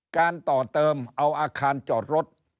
การต่อเติมเอาอาคารจอดรถ